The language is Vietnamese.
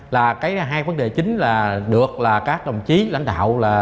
là cái hai vấn đề chính là được là các đồng chí lãnh đạo là